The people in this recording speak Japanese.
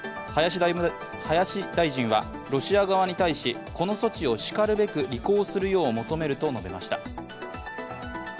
林大臣はロシア側に対しこの措置をしかるべく履行するよう求めると述べました。